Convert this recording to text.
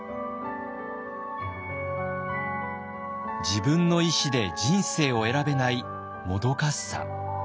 自分の意思で人生を選べないもどかしさ。